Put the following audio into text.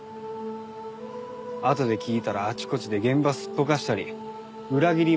あとで聞いたらあちこちで現場すっぽかしたり裏切りまくってたらしくて。